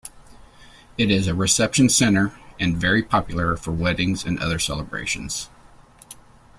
It is a reception centre and very popular for weddings and other celebrations.